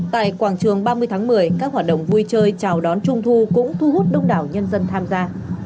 tại quảng trường ba mươi tháng một mươi các hoạt động vui chơi chào đón trung thu cũng thu hút đông đảo nhân dân tham gia